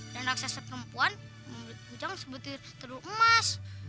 dan raksasa perempuan membeli ujang seperti telur emas